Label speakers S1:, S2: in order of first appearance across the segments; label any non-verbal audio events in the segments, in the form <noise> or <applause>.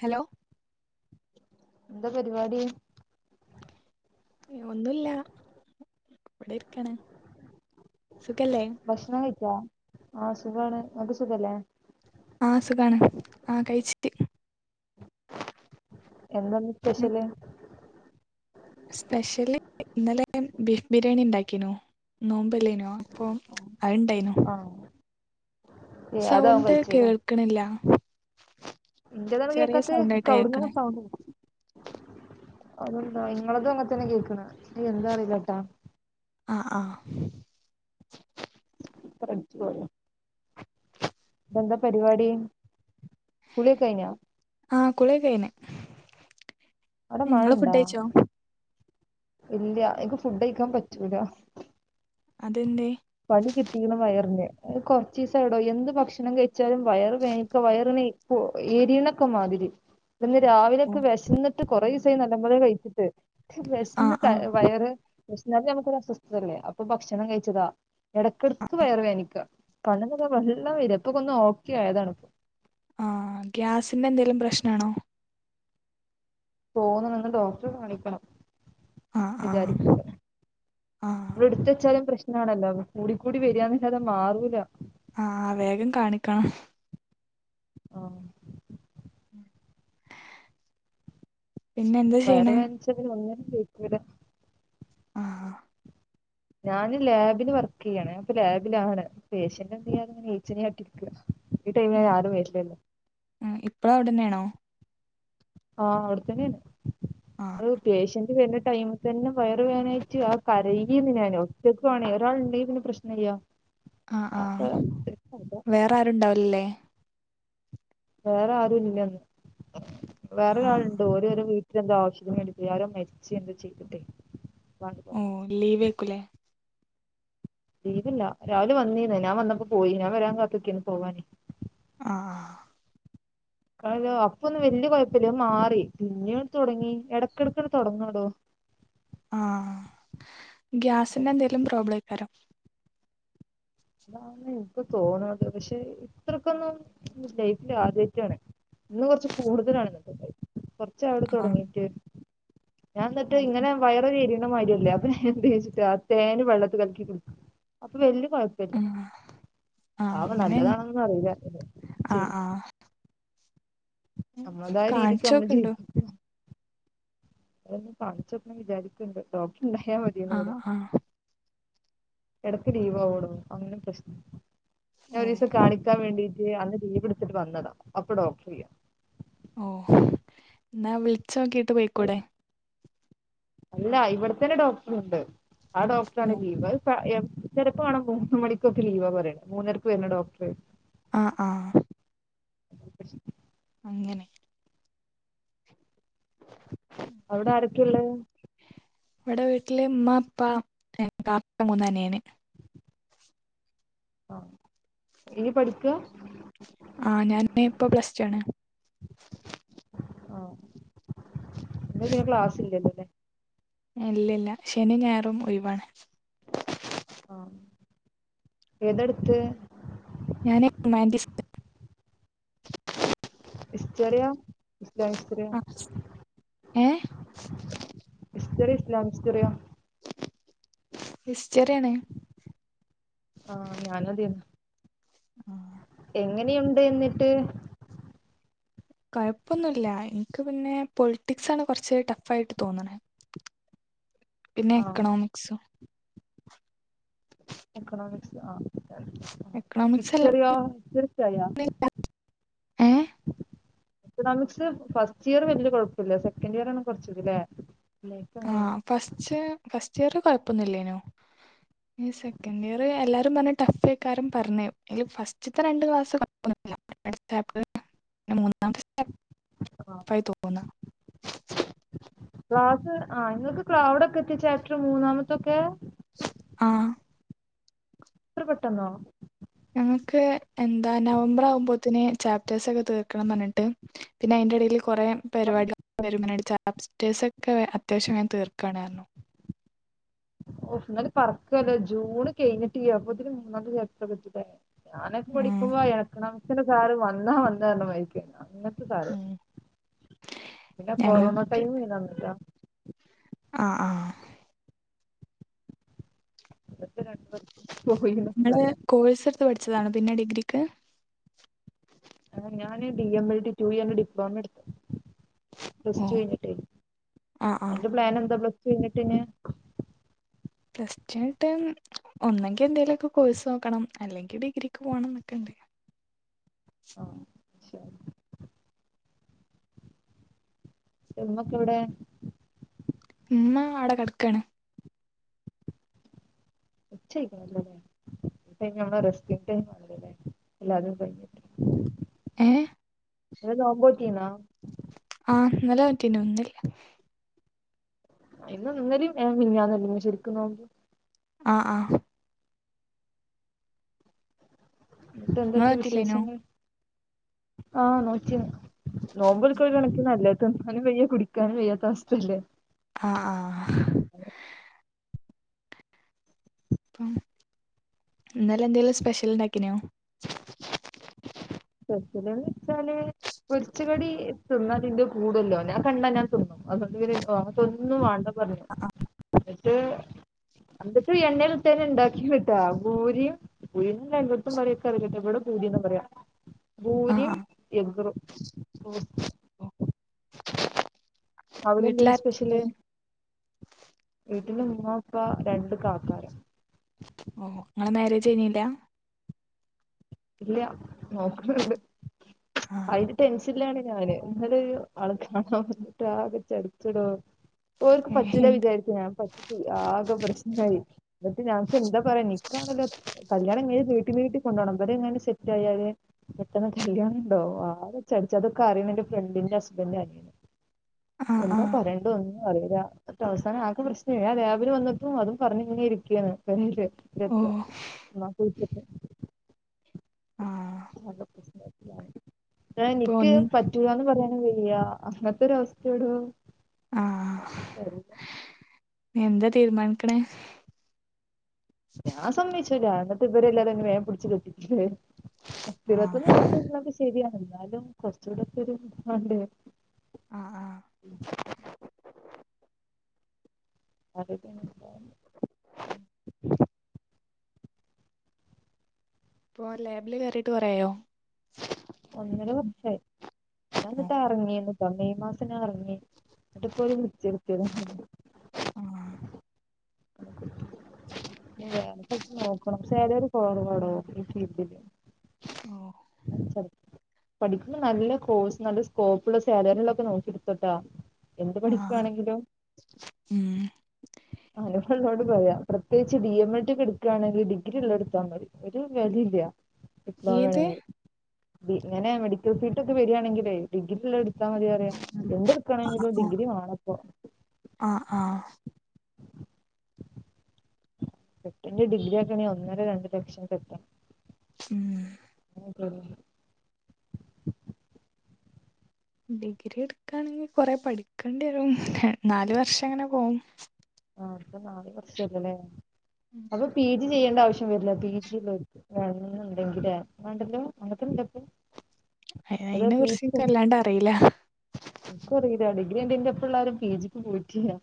S1: Hello
S2: എന്താ പരിപാടി
S1: ഒന്നുല്ല ഇവിടെ ഇരിക്കാണ് സുഖല്ലേ
S2: ഭക്ഷണം കഴിച്ച ആ സുഖാണ് നിനക്ക് സുഖല്ലേ
S1: ആ സുഖാണ് ആ കഴിച്ചിട്ട്
S2: എന്തന്ന് സ്പെഷ്യല്
S1: സ്പെഷ്യല് ഇന്നലെ ബീഫ് ബിരിയാണി ഇണ്ടാ‌ക്കിനു നോമ്പല്ലേനോ അപ്പൊ അത്ണ്ടായിനു
S2: ആഹ് അതാവും
S1: സൗണ്ട് കേൾക്കണില്ല
S2: എന്റെതാണ്
S1: ചെറിയ
S2: കേക്കാത്ത
S1: സൗണ്ട് ആയിട്ടാ
S2: എനിക്കവിടുന്ന്
S1: കേൾക്കണേ
S2: സൗണ്ടു അതന്താ നിങ്ങളതും അങ്ങെ തന്നെ കേൾക്കണ് <unintelligible> എന്താ അറിയല്ലട്ടാ
S1: ആ ആ
S2: സ്പീക്കർ അടിച്ചു പോയോ എന്താ പരിപാടി കുളിയൊക്കെ കയ്ഞ്ഞോ.
S1: ആ കുളിയൊക്കെ കയ്ഞ്ഞ്
S2: അവിടെ മഴ
S1: ഇങ്ങള് ഫുഡ്
S2: ഇണ്ടാ
S1: കയ്ച്ചോ.
S2: ഇല്ല എനക്ക് ഫുഡ് കയിക്കാൻ പറ്റൂല.
S1: അത് എന്തേയ്.
S2: പണി കിട്ടീക്ക്ണ് വയറിന് അത് കൊറച്ചീസായെടോ യെന്ത് ഭക്ഷണം കഴിച്ചാലും വയർ വെയ്ക്കാ വയർ ക്കൂ എരീണൊക്കെ മാതിരി അപ്പൊന്ന് രാവിലൊക്കെ വെശന്നിട്ട് കുറേ ദിവസായി നല്ലപോലെക്കെ കഴിച്ചി ട്ട് വെഷന്ന്
S1: ആഹ് ആഹ്
S2: വയറ് വെഷന്നാല് നമുക്ക് ഒരു അസ്വസ്ഥതല്ലേ അപ്പൊ ഭക്ഷണം കഴിച്ചതാ. ഇടക്കിടക്ക് വയർ വെനിക്കാ കണ്ണ്ന്നൊക്കെ വെള്ളം വര ഇപ്പൊ ന്ന് ഓക്കെ ആയതാണ്
S1: ആ ഗ്യാസിന്റെ എന്തെലും പ്രശ്നാണോ.
S2: തോന്നണ് ഇന്ന് ഡോക്ടറെ ഒന്ന് കാണിക്കണം.
S1: ആഹ് ആഹ്
S2: വിചാരിക്കണ്ട ഇ
S1: ആഹ്
S2: വിടെ ത്തെ ചില പ്രശന ണാണല്ലോ കൂടിക്കൂടി വരാന്നലാതെ അത് മാറൂല.
S1: ആഹ വേഗം കാണിക്കണം.
S2: ആ.
S1: പിന്നെ എന്താ
S2: വയർ
S1: ചെയ്യണേ
S2: വേനച്ചല് ഒന്നിനും വയ്ക്കൂല.
S1: ആ
S2: ഞാന് ലാബിൽ വർക്ക് യാണ് അപ്പൊ ലാബിലാണ് പേഷ്യന്റ് എന്ത ചെയ്യാ ഞാനെ ഈച്ചനായിട്ടിരിക്ക. ഈ ടൈമിൽ അയ്ന് ആരും വര്ലല്ലോ.
S1: ഇപ്പളും അവിടെന്നെയാണോ
S2: ആഹ അവിടുത്തന്നൊണ്
S1: ആഹ്
S2: ഒരു പേഷ്യന്റ് വരണ ടൈമ തന്നെ വയർ വേനായിട്ട് ആ കരകിന്ന് ഞാൻ ഒറ്റക്ക് വേണെ ഒരാൾുണ്ടങ്കിൽ പിന്നെ പ്രശ്നമല്യാ.
S1: ആഹ് ആഹ വേറെ ആരുണ്ടാവലല്ലേ.
S2: വേറെ ആരു ഇല്ലന്ന്
S1: ആഹ്
S2: വേറെരാളുണ്ട് ഓരോരോ വീട്ട. എന്ത ആശത്തിന് മരിച്ചച്ച് എന്താ ചെയ്തിട്ടേ. അപ്പങ്ങട്ട്
S1: ഓ
S2: പോയി
S1: ലീവേക്കുലെ.
S2: ലീവല്ല രാവിലെ വന്നീന്നേ ഞാൻ വന്നപ്പോ പോയി ഞാൻ വരാൻ കാത്തക്കെനി പോവാന്.
S1: ആ ആ.
S2: കല്ലോ അപ്പൊന്നും വലിയ കുഴപ്പല്ല അത് മാറി പിന്നീ തുടങ്ങി ഇടക്കിടക്ക് അങ്ങട്ട് തുടങ്ങടോ.
S1: ആഹ ഗ്യാസിന്റെ എന്തെലും പ്രോബ്ലം ആയിക്കാരോ.
S2: അതാണ് എക്ക് തോന്നത് പക്ഷെ ഇത്രക്കൊന്നും ലൈഫില് ആദ്യായിട്ടാണ്. ഇന്ന് കൊറച്ച് കൂടുതലാണ് കുറചായെടോ
S1: ആഹ്
S2: തൊടങ്ങീട്ട്. ഞാൻ ന്നട്ട്
S1: ആഹ്
S2: ഇങ്ങനെ വയറ കയ്ക ല്മര്യാലേ <unintelligible> തേന് വെള്ളത്തിൽ കലക്കി കുടിക്കും അപ്പൊ വല്യകൊയപ്പലാ. ആ
S1: ആഹ് അങ്ങനെ
S2: നല്ലതാണോന്നൊന്നും അറീല. നമ്മൾ
S1: കാണിച്ചൊക്കെണ്ടു.
S2: ചെയ്ത് അതൊന്ന് കാണിചോക്കണം വിചാരിക്കണ്ട് ഡോക്ർ ഉണ്ടായാൽ മതിയെനു ഇടെ.
S1: ആഹ് ആഹ്
S2: എടക്ക് ലീവ് ആവേടോ അങ്ങനെ പ്രശ്നം ഞാൻ
S1: ഓ
S2: ഒരീസം കാണിക്കാൻ വേണ്ടി ട്ട് അന്ന് ലീവെടുത്തിട്ട് വന്നതാ അപ്പോ ഡോക്ടറില്യ.
S1: ഓ എന്നാ വിളിച്ചോക്കിട്ട് പൊയിക്കൂടെ.
S2: അല്ല ഇവിടെത്തന്നെ ഡോക്ടർുണ്ട്. ആ ഡോക്ടറാണ് ലീവ് ചെലപ്പം കാണാ മൂന്ന് മണിക്കൊക്കെ ലീവ പറുന്ന മൂന്നരക്ക് വരണ ഡോക്ടർ.
S1: ആഹ ആഹ. അങ്ങനെ.
S2: അവിടെ ആരൊക്കെയള്ളെ.
S1: ഇവിടെ വീട്ടില് ഉമ്മ അപ്പ കാപ്പ മൂന്നന്നെയന്ന്
S2: ആ എനി പഠിക്കുക
S1: ആഹ ഞാാന് ഇപ്പൊ പ്ലസ് ആണ്
S2: ആഹ എ പിന്നെ ക്ലാസ് ഇല്ലല്ലോല്ലേ
S1: ഇല്ലല്ല ശനി ഞായറും ഒഴിവാാണ്
S2: എതെടുത്ത്
S1: ഞാനൻ റൊമാൻറിസ്
S2: എസ്റിയോ ഇര വിസ്തര
S1: ഏ
S2: ഇസ്ര എസ്ത്രറിയോ
S1: എസ്ചറിയണേ
S2: ആഹ ഞാനതന്ന
S1: ആഹ
S2: എങ്ങനെയുണ്ട് എന്നിട്ട്
S1: കൊഴപ്പൊന്നുമില്ല എനിക്ക് പിന്നെ പൊളിറ്റിക്സ ആണ് കുറച്ച് ടഫ ആയിട്ട് തോന്നണ
S2: <inaudible>
S1: പിന്നെ
S2: ആ
S1: എക്കണോമിക്സ്
S2: എക്കണോമിക്സ് ആ
S1: എക്കണോമിക്സ് അല്ല
S2: ഇ്ചറിയോ തീർച്ചയായാ
S1: ഏ
S2: എക്കണോമിക്സ് ഫസ്റ്റ് ഇയർ വല്ിയ കുഴപ്പില്ല സെക്കൻഡ് ഇയർ ആണ് കുറച്ചത്ല്ലേ
S1: ആ ഫസ്റ്റ് ഫസ്റ്റ് ഇയർ കൊഴപ്പൊന്നില്ലേനോ
S2: <inaudible>
S1: ഈ സെക്കൻഡ് ഇയർ എല്ലാരും പറഞ്ഞ ടഫേക്കാരും പറഞ്ഞ അ ഫസ്റ്റത്തെ രണ്ടണ്ട് ക്ലാസ് ്പ്പ് മൂന്നാം
S2: ആ ക്ലാസ് ആ നിങ്ങക്ക് ോ അവിടൊക്കെ എത്തിച്ചാപ്റ്റർ മൂന്നാമത്തൊക്കെ
S1: ആഹ
S2: എത്ര പെട്ടെന്നോ
S1: ഞങ്ങക്ക് എന്താ നവംബർ ആവുമ്പോത്തന് ചാപ്േഴ്സ് ഒക്കെ തീർക്കണം പറിട്ട് പിന്നെ അതിന്റെ ഇടയിൽ കുറെേ പരിപാടിക വരു ബ്സ്റ്റേഴസൊക്കെ അത്യാവശ്യം ഞാാന് തീർക്കുകയണായിരുന്നു
S2: ഓ എന്നന്നാലല് പറക്കല്ലേ ജൂണ് കഴിഞ്ഞിട്ട് ചെയ്യ്പോതിന് മൂന്നല് യാത്ര പറ്റില്ല ഞാക്ക് പ
S1: ഉം
S2: പിഠിക്കുമ്പോ എക്ക് നമച്ചന സാാര്ും വന്നാ വന്നാ എ മരിക്ക പിന്നെ
S1: ഞങ്ങ
S2: കൊറോണ ടൈം ഇങ്ങനന്നില്ല
S1: ആഹ ആഹ
S2: ഇതൊക്കെ രണ്ട് വർഷം പോയി എന്നൊക്കെ
S1: ങ്ങള്ൾ
S2: പറയാം
S1: കോവിത് സ്വരത്ത് പഠിച്ചതണ പിന്നെ ഡിഗ്രിക്ക്
S2: ഞാാന് ഡി എം ബൽ ടിി ു ന്റെ ഡിപ്ലോമ എടുത്തു പ്ലസ് ടു
S1: ഓഹ്
S2: കഴിഞ്ഞിട്ടേ
S1: ആഹ് ആഹ്
S2: അതിന്റെ പ്ലൻ എന്താ പ്ലസ് പിന്നിട്ടിന്
S1: പസ്റ്റ ആട്ട് ഒന്നെങ്കി എന്തേലുമൊക്കെ കോഴ്സ് നോക്കണം അല്ലെങ്കിൽ ഡിഗ്രിക്ക് പോണം എന്നൊക്കെ ഉണ്ട
S2: ആ അ ശരി നമ്മക്ക എവിടെ
S1: അമ്മ അടെ കടക്കയാണ്
S2: ഉക്ക നല്ലത് നമ്മ രസ് നല്ലത് എല്ലാതും ക
S1: ഏ
S2: എത് ഒമ്പോട്ടനാ
S1: ആഹ് നല്ല പറ്റന ഒന്നില്ല
S2: ഇന്ന ഇന്നേരും മഞ്ഞന്ന ശെരിക്കും നോോ
S1: ആഹ ആഹ
S2: ഇത
S1: ഇങ്ങള്
S2: എന്തൊക്കെ
S1: നോറ്റില്ലേനോ
S2: വിശേഷങ്ങൾ ആഹ നോറ്റി നോമ്പ് പിടിക്കുന്ന ഒരു കണക്കിന് നല്ലത്, തിന്നാനും വയ്യ കുടിക്കാനും വയ്യാത്ത അവസ്ഥയല്ലേ.
S1: ആ, ആ അപ്പം ഇന്നലെ എന്തെിലും സ്പെഷ്യൽ ഉണ്ടാക്കിനോ
S2: ഇന്നലെ വെച്ചാല് പൊരിച്ച കടി തിന്നാലിന്റെ കൂടല്ലോ, ഞാൻ പണ്ട് അങ്ങനെ തിന്നു. അതൊന്നും വേണ്ട പറഞ്ഞു എന്നിട്ട് എന്നിട്ട് എണ്ണയിൽ ഇട്ട് തന്നെ ഉണ്ടാക്കി കേട്ടാ പൂരിയും, പൂരീന്ന് തന്നെ എല്ലായിടത്തും പറയ, എനിക്കറിയില്ല കേട്ടാ, ഇവിടെ പൂരിന്ന
S1: ആഹ്
S2: പൂരിയും
S1: ആഹ്
S2: എഗ്ഗ് റോസ്റ്റും
S1: <unintelligible>
S2: അവിടെ എന്താരുന്നു
S1: വീട്ടിലാരൊക്കെണ്ട്
S2: സ്പെഷ്യല്. ഇവിടെ മൂങ്ങക്ക രണ്ട് കാക്കാര.
S1: ഓ, നിങ്ങടെ മാരേജ് കഴിഞ്ഞില്ല
S2: ഇല്ല, നോക്കുന്നുണ്ട്
S1: ആഹ്
S2: അതിന്റെ ടെൻഷനിലാണ്. ഞാന്, <unintelligible> കാണാൻ വന്നിട്ട് ആകെ ചടച്ചടോ ഓർക്ക്
S1: ഏഹ്
S2: പറ്റൂലാ
S1: എന്ത്
S2: വിചാരിച്ച് ഞാൻ പറ്റി, ആകെ പ്രശ്നായി എന്നിട്ട് <unintelligible> എന്താ പറയാ നിക്ക് കാണല്ലോ കല്യാണം കഴിഞ്ഞ് നീട്ടി നീട്ടി അവരങ്ങനെ സെറ്റ് ആയി അവര് പെട്ടെന്ന് കല്യാണണ്ടോ ആകെ ചടച്ച് അതൊക്കെ അറിയുന്ന എൻ്റെ ഫ്രണ്ടിന്റെ ഹസ്ബൻഡ് ൻ്റെ അനിയന്
S1: ആഹ്
S2: എന്താ
S1: ആഹ്
S2: പറയണ്ടെ ഒന്നും അറിയില്ല അന്നിട്ട് അവസാനം ആകെ പ്രശ്നായി ഞാൻ രാവിലെ വന്നിട്ടും അതും പറഞ്ഞിങ്ങനെ ഇരിക്കുവാണ്
S1: ഓഹ്
S2: <unintelligible> <unintelligible>
S1: ആഹ്
S2: <unintelligible> ആ
S1: ഇപ്പൊ
S2: ഇനിക്ക്
S1: ഒന്ന്
S2: പറ്റൂലാന്ന് പറയാൻ വയ്യ അങ്ങനത്തെൊര അവസ്ഥയാടൊ
S1: ആഹ് എന്താ തീരുമാനിക്കണ്
S2: ഞാൻ സമ്മയ്ച്ചുലാ എന്നിട്ട് ഇവരെല്ലാരും എന്നെ വേഗം പിടിച്ച് കെട്ടിക്കുവേ.
S1: ആഹ്
S2: പത്തിരുപത്തൊന്ന് വയസ്സ് ആയിക്ക്ണത് ശരിയാണ് എന്നാലും കൊറച്ചൂടൊക്കെരു ഇത് മാണ്ടെ
S1: ആഹ് ആഹ്
S2: <unintelligible>
S1: ഇപ്പൊ ലാബില് കേയറിട്ട് കെറേആയോ
S2: ഒന്നര വർഷായി, ഞാൻ
S1: ഓ
S2: ഇന്നിട്ടാ ഇറങ്ങിയത്. ഇപ്പ മെയ് മാസം ഞാൻ ഇറങ്ങി, എന്നിട്ടിപ്പോ ഒരു ഇഞ് വേറെ സ്ഥലത്ത് നോക്കണം ചെലവ് കുറവടോ ഈ ഫീൽഡിലെ
S1: ഓഹ്
S2: പഠിക്കുമ്പോൾ നല്ല കോഴ്സ്, നല്ല സ്കോപ്പുള്ള സാലറി ഉള്ളത് നോക്കിയെടുത്തുട്ടാ. എന്ത് പഠിക്ക
S1: ആഹ്
S2: ആണെങ്കിലും
S1: ഉം
S2: അനു എ നോട്ഹോട് പറയാം പ്രത്യേകിച്ച് ഡി എം എഡ എടുക്കുകയാണെങ്കിൽ ഡിഗ്രി ഉള്ള എടുത്താൽ മതി ഒരു വിലയില്ല ഡിപ്ലോമ
S1: ഏത്
S2: വേണമെങ്കി, ഇങ്ങനെ മെഡിക്കൽ ഫീൽഡ് ഒക്കെ വരികയാണെങ്കിലെ ഡിഗ്രി ഉള്ളത് എടുത്തോ ത്താമതി അറിയ
S1: ആഹ്
S2: എന്ത് എടുക്കണെങ്കിലും
S1: ആഹ്
S2: ഡിഗ്രി വാണം ഇപ്പോ
S1: ആഹ് ആഹ്
S2: <unintelligible> ഡിഗ്രി ആക്കണെ ഒന്നര രണ്ട് ലക്ഷം കെട്ടണം
S1: ഉം
S2: അതന്നെ
S1: ഡിഗ്രി എടുക്കയാണെങ്കിൽ കൊറെ പഠിക്കേണ്ടി വരും നാലു വർഷം അങ്ങനെ പോവും
S2: അവർക്ക് നാല് വർഷലല്ലേ. അപ്പം പി ജി ചെയ്യേണ്ട ആവശ്യം വരില്ല, പി ജി ഉള്ളവർക്ക്, വേണെന്നുണ്ടെങ്കില് വേണ്ടല്ലോ, അങ്ങനെ തന്നെ ഉണ്ടോ ഇപ്പോ.
S1: അ അയ്നെ കുറിച്ച് എനിക്ക് അല്ലാണ്ട് അറിയില്ല.
S2: ക്കു അറിയില്ലാ, ഡിഗ്രി കഴിഞ്ഞെന്റെ പ്പെള്ളാരും പി ജി ക്ക് പോയിട്ടില്ല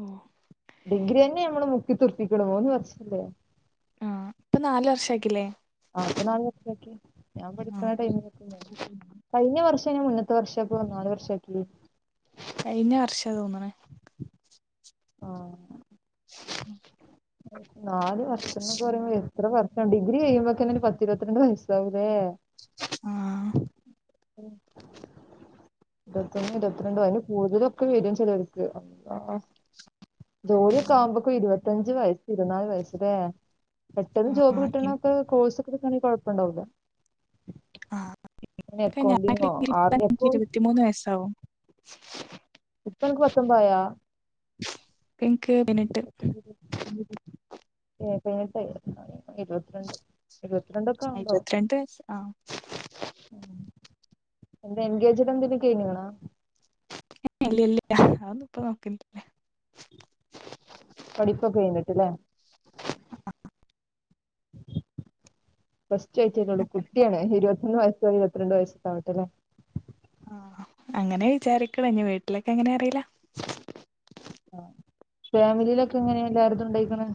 S1: ഓ
S2: ഡിഗ്രി തന്നെ നമ്മള് മുക്കി തീർപ്പിക്കണ്, മൂന്ന് വർഷവല്ലേ.
S1: ആ ഇപ്പൊ നാല് വർഷാക്കില്ലേ
S2: ആ പ്പൊ നാല് വർഷാക്കി, ഞാൻ പഠിക്ക്‌ണ ടൈമിലൊക്കെങ്ങെനെ കഴിഞ്ഞ വർഷം ഞാൻ മുന്ന ത്തെ വർഷപ്പൊ നാല് വർഷാക്കി
S1: കയ്ഞ്ഞ വർഷാ തോന്ന്ണു
S2: ആ നാല് വർഷംന്നൊക്കെ പറയുമ്പോ എ എത്ര വർഷം, ഡിഗ്രി കയിമ്പൊക്കിന് പത്തിരുപത്തിരണ്ട് വയസ്സാവുലേ
S1: ആ
S2: ഉം ഇരുപത്തൊന്നും ഇരുപത്തിരണ്ടും അയില് കൂടുതലൊക്കെ വരും ചെലോര്ക്ക് അപ് ആ ജോലിയൊക്കെ ആവുമ്പോക്കു ഇരുപത്തഞ്ച് ഞ്ച് വയസു ഇരുപത്തിനാല് വയസ്സ്ലേ പെട്ടെന്ന് ജോബ്
S1: ആഹ് എൻ
S2: കിട്ടണൊക്കെ കോഴ്സൊക്കെടുക്കാണെങ്കി കൊഴ പ്പണ്ടാവൂല.
S1: ആ പ്പ ഞാൻ
S2: ആർ
S1: <unintelligible>
S2: എക്കൗ
S1: ഇരുപത്തിമൂന്ന് വയസാവും
S2: ഇപ്പനക്ക് പത്തൊമ്പായോ?
S1: പ്പെങ്കു പയിനെട്ടു
S2: അ പയിനെട്ടയിട്ടൊള്ളല്ലേ ഇരുപത്തിരണ്ട് ഇരുപത്തിരണ്ടൊക്കെ ആവുമ്പാവും
S1: ഇരുപത്തിരണ്ട് വയസ്സ് ആഹ്
S2: എന്താ എൻഗേജ് <unintelligible> ക്കഴിഞ്ഞാണോ
S1: ഇല്ല ഇല്ല അതൊന്നു ഇപ്പ നോക്കുന്നില്ല.
S2: പഠിപ്പൊക്കെ കഴിഞ്ഞിട്ടല്ലേ? ഫസ്റ്റ് കഴിച്ചിട്ടേള്ളൂ,
S1: അങ്ങനെ
S2: കുട്ടിയാണ്, ഇരുപത്തൊന്ന് വയസ്സോ ഇരുപത്തിരണ്ട് വയസ്സക്കെ ആവട്ടെ അല്ലേ.
S1: ആ അങ്ങനെ വിചാരിക്കണ് ഇനി വീട്ടിലൊക്കെ എങ്ങന്യ അറിയില്ല.
S2: ആ ഫാമിലിയിലൊക്കെ എങ്ങനെയ എല്ലായിടത്തും ഉണ്ടായിക്കണ?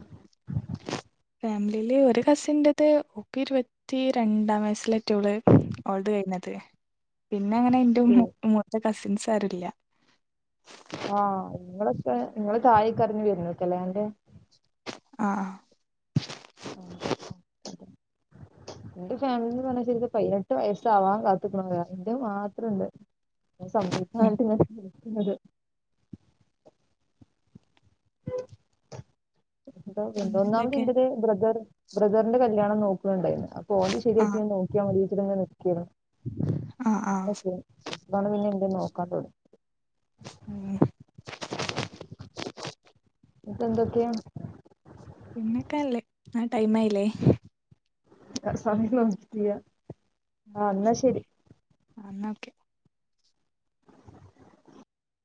S1: ഫാമിലിയില് ഒരു കസിന്റത് ഓക്കിരുപത്തി രണ്ടാം വയസ്സിലറ്റോള് ഓൾടെ കഴിഞ്ഞത്. പിന്നെ അങ്ങനെ എന്റെ മൂത്ത കസിൻസ് ആരില്ല.
S2: ഇപ്പ നിങ്ങള് തായക്കെറങ്ങി വരുന്നക്കല്ലേ എന്റെ.
S1: ആ
S2: ആ എന്റെ ഫാമിലിന്ന് പറഞ്ഞാൽ ശരിക്കു പതിനെട്ട് വയസ്സാവാൻ കാത്തിക്കണ പോലാ എന്റെ മാത്രംണ്ട്. സമീിക്ക
S1: ആഹ്
S2: ഞൻിക്കുന്നത് ഇത് എന്തോന്നാമത്
S1: പിന്നെന്തൊക്കെ
S2: ഇന്റത് ബ്രദർ ബ്രദറിന്റെ കല്യാണം നോക്കുന്നുണ്ടായിരുന്നു. അപ്പ ഓന്റേതു ശരിയായിട്ട്
S1: ആഹ്
S2: ഞാൻ നോക്കിയാ മതിന്നുവച്ചിട്ടങ്ങനെ നിക്കയാണ്.
S1: ആഹ് ആഹ്
S2: ഓക്കേ എപ്പഴാണ് പിന്നെ നിന്റെ നോക്കാൻ തൊടങ്
S1: ഉം
S2: ഇനീപ്പെന്തൊക്കെയാ?
S1: പിന്നൊക്കെല്ലേ ആ ടൈം ആയില്ലേ.
S2: ആ സമയം നോക്കില്ല. ആ എന്നാ ശരി.
S1: ആ എന്നാ ഓക്കേ.